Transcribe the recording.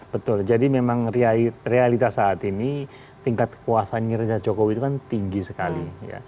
betul jadi memang realitas saat ini tingkat kekuasaan nyerinya jokowi itu kan tinggi sekali